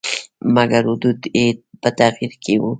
مګر حدود یې په تغییر کې وو.